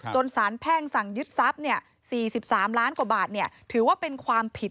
สารแพ่งสั่งยึดทรัพย์๔๓ล้านกว่าบาทถือว่าเป็นความผิด